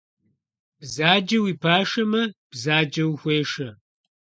Бзаджэ уи пашэмэ, бзаджэ ухуешэ.